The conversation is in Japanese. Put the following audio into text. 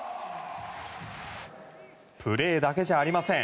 プレーだけじゃありません。